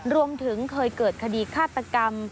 รวมถึงเคยเกิดคดีฆาตกรรม